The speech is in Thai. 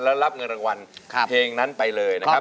แล้วรับเงินรางวัลเพลงนั้นไปเลยนะครับ